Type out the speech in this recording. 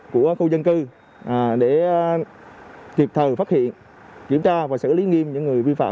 của khu dân cư để kịp thời phát hiện kiểm tra và xử lý nghiêm những người vi phạm